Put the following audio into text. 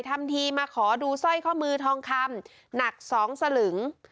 ทำทีมาขอดูสร้อยข้อมือทองคำหนัก๒สลึง